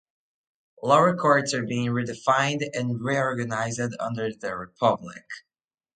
Lower courts are being redefined and reorganised under the Republic.